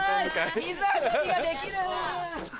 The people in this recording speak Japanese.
水遊びができる！